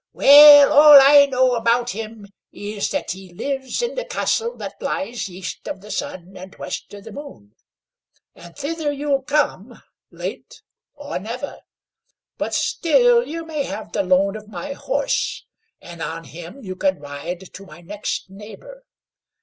"Well, all I know about him is, that he lives in the castle that lies East of the Sun and West of the Moon, and thither you'll come, late or never; but still you may have the loan of my horse, and on him you can ride to my next neighbour.